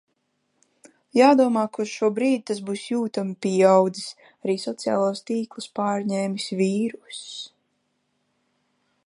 Jādomā, ka uz šo brīdi tas būs jūtami pieaudzis. Arī sociālos tīklus pārņēmis vīruss.